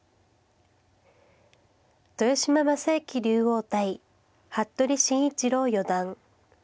豊島将之竜王対服部慎一郎四段。